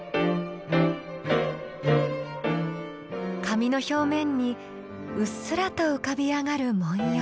紙の表面にうっすらと浮かび上がる文様。